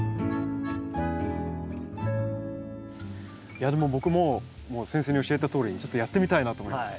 いやでも僕も先生の教えたとおりにちょっとやってみたいなと思います。